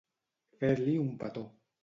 Fer-li un petó.